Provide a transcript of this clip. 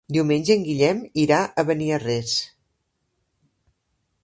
Diumenge en Guillem irà a Beniarrés.